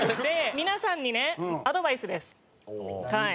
皆さんにねアドバイスですはい。